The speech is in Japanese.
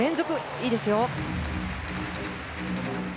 いいですよ。